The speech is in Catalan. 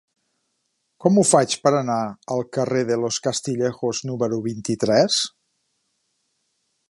Com ho faig per anar al carrer de Los Castillejos número vint-i-tres?